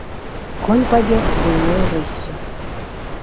Конь пабег буйной рыссю.